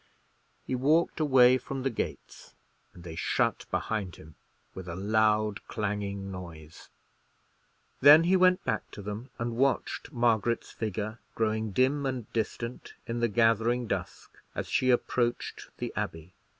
He walked away from the gates, and they shut behind him with a loud clanging noise. Then he went back to them, and watched Margaret's figure growing dim and distant in the gathering dusk as she approached the Abbey.